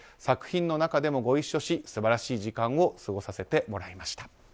作品の中でもご一緒し素晴らしい時間を過ごさせていただきました。